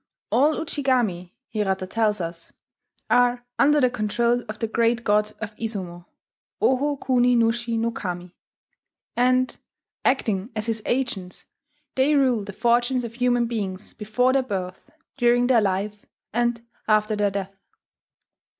All Ujigami, Hirata tells us, are under the control of the Great God of Izumo, Oho kuni nushi no Kami, and, "acting as his agents, they rule the fortunes of human beings before their birth, during their life, and after their death."